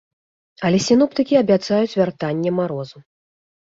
Але сіноптыкі абяцаюць вяртанне марозу.